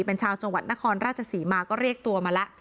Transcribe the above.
เป็นชาวจังหวัดนครราชศรีมาก็เรียกตัวมาแล้ว